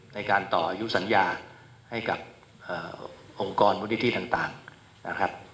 ในการต่ออายุสัญญาให้กับองค์กรมูลนิธิต่างนะครับ